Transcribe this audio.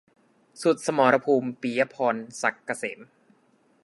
สุดสมรภูมิ - ปิยะพร ศักดิ์เกษม